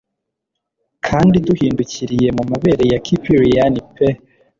Kandi duhindukiriye mumabere ya Kuprian pe